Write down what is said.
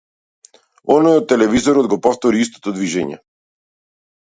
Оној од телевизорот го повтори истото движење.